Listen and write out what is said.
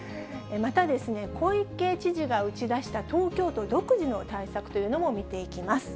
また小池知事が打ち出した東京都独自の対策というのも見ていきます。